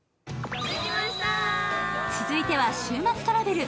続いては「週末トラベル」。